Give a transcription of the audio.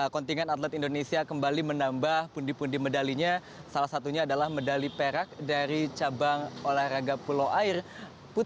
kontingen atlet indonesia kembali menambah pundi pundi medalinya salah satunya adalah medali perak dari cabang olahraga pulau air putra